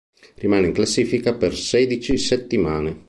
Rimane in classifica per sedici settimane.